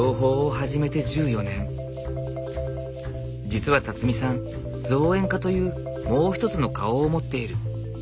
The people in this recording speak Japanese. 実はさん造園家というもう一つの顔を持っている。